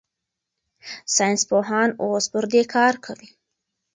ساینسپوهان اوس پر دې کار کوي.